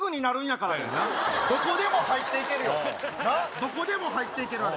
どこでも入っていける、あれ。